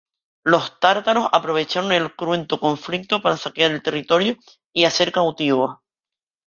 Los tártaros aprovecharon el cruento conflicto para saquear el territorio y hacer cautivos.